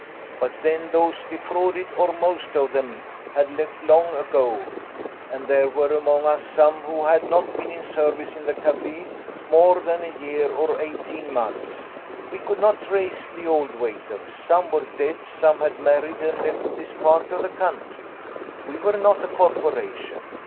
But then those defrauded, or most of them, had left long ago, and there were among us some who had not been in service in the café more than a year or eighteen months. We could not trace the old waiters. Some were dead, some had married and left this part of the country. We were not a corporation.